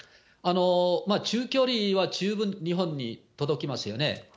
中距離は十分日本に届きますよね。